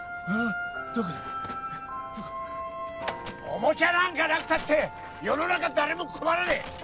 おもちゃなんかなくたって世の中誰も困らねえ！